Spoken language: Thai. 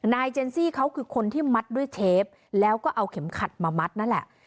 เจนซี่เขาคือคนที่มัดด้วยเชฟแล้วก็เอาเข็มขัดมามัดนั่นแหละ